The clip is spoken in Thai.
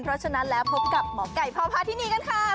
เพราะฉะนั้นแล้วพบกับหมอไก่พ่อพาที่นี่กันค่ะ